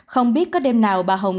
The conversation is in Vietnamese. không biết có đêm nào bà hồng